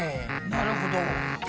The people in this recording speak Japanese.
なるほど。